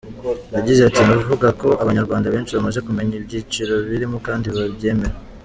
Yagize ati “Navuga ko Abanyarwanda benshi bamaze kumenya ibyiciro barimo kandi babyemera.